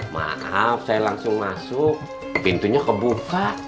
maaf saya langsung masuk pintunya kebuka